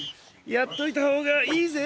やっといたほうがいいぜ？